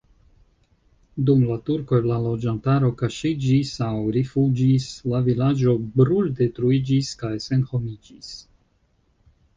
Dum la turkoj la loĝantaro kaŝiĝis aŭ rifuĝis, la vilaĝo bruldetruiĝis kaj senhomiĝis.